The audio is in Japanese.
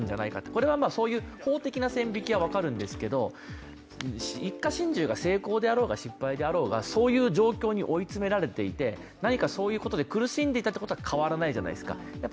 これはそういう法的な線引きは分かるんですが、一家心中が成功であろうが失敗であろうがそういう状況に追い詰められていて、何かそういうことで苦しんでいたことは変わらないじゃないですか。